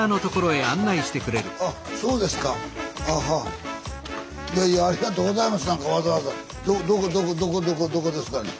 あそうですか。